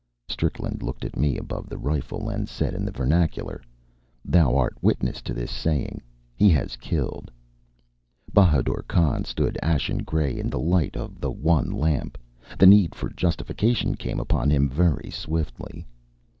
Strickland looked at me above the rifle, and said, in the vernacular: "Thou art witness to this saying. He has killed." Bahadur Khan stood ashen grey in the light of the one lamp. The need for justification came upon him very swiftly.